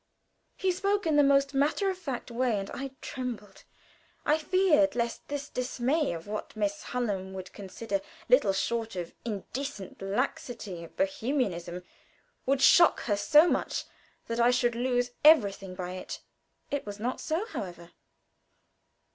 He spoke in the most perfectly matter of fact way, and I trembled. I feared lest this display of what Miss Hallam would consider little short of indecent laxity and Bohemianism, would shock her so much that I should lose everything by it. It was not so, however.